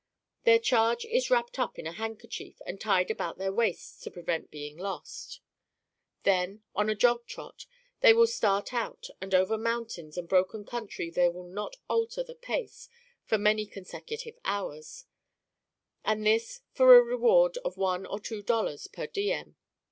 Their charge is wrapped up in a handkerchief and tied about their waists to prevent being lost. Then, on a jog trot, they will start out; and over mountains and broken country they will not alter the pace for many consecutive hours, and this for a reward of one or two dollars per diem.